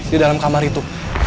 di dalam kamar itu